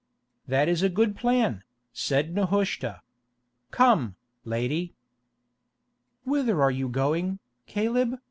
"That is a good plan," said Nehushta. "Come, lady." "Whither are you going, Caleb?"